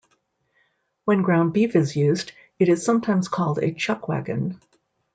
When ground beef is used, it is sometimes called a "chuckwagon".